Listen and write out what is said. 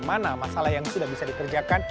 mana masalah yang sudah bisa dikerjakan